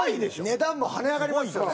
値段も跳ね上がりますよね。